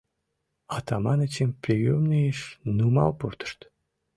Атаманычым приёмныйыш нумал пуртышт.